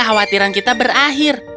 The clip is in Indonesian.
kekhawatiran kita berakhir